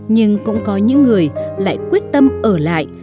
nhưng cũng có những người lại quyết tâm ở lại